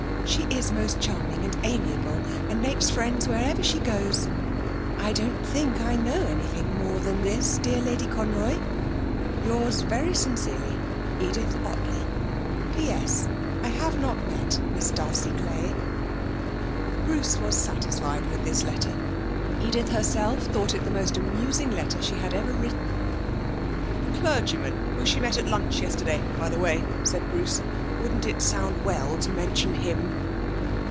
She is most charming and amiable and makes friends wherever she goes. I don't think I know anything more than this, dear Lady Conroy. Yours very sincerely, Edith Ottley. P.S. I have not met Miss Dulcie Clay_."' Bruce was satisfied with this letter. Edith herself thought it the most amusing letter she had ever written. 'The clergyman whom she met at lunch yesterday, by the way,' said Bruce, 'wouldn't it sound well to mention him?'